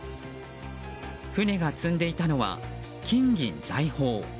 船が積んでいたのは金銀財宝。